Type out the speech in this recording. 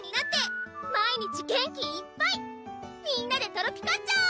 みんなでトロピカっちゃおう！